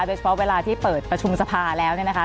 เวลาที่เปิดประชุมสภาแล้วเนี่ยนะคะ